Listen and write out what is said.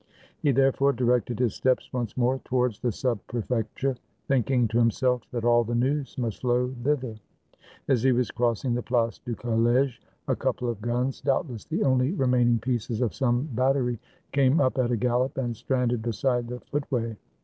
He therefore directed his steps once more towards the Sub Prefecture, thinking to himself that all the news must flow thither. As he was crossing the Place du College, a couple of guns, doubtless the only remaining pieces of some bat tery, came up at a gallop, and stranded beside the foot way.